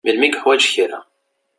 Melmi i yuḥwaǧ kra.